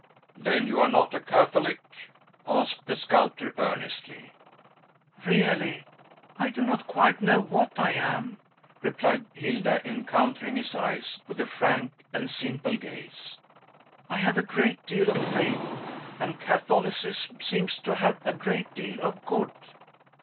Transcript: "Then you are not a Catholic?" asked the sculptor earnestly. "Really, I do not quite know what I am," replied Hilda, encountering his eyes with a frank and simple gaze. "I have a great deal of faith, and Catholicism seems to have a great deal of good.